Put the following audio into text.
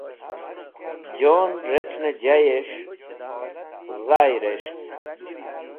Jon rec̃hnẽ jayẽs̃h dhay res̃h.